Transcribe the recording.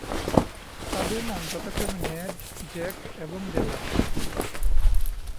তাদের নাম যথাক্রমে নেড, জ্যাক এবং ড্যালান।